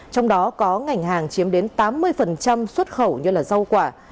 trong đó có ngành hàng chiếm đến tám mươi xuất khẩu như rau quả